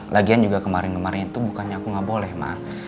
lagian juga kemarin kemarin itu bukannya aku nggak boleh maaf